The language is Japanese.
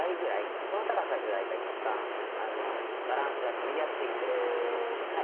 この高さぐらいが一番バランスがとりやすいというふうにいわれております。